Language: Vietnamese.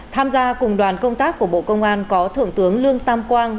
tham gia cùng đoàn công tác của bộ công an có thượng tướng lương tam quang